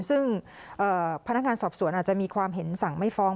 ซึ่งพนักงานสอบสวนอาจจะมีความเห็นสั่งไม่ฟ้อง